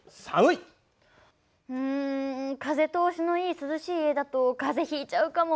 うん風通しのいい涼しい家だとかぜひいちゃうかも。